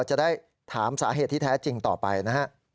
จะได้ถามสาเหตุที่แท้จริงต่อไปนะฮะ